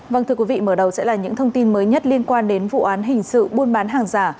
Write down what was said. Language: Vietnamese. vâng thưa quý vị mở đầu sẽ là những thông tin mới nhất liên quan đến vụ án hình sự buôn bán hàng giả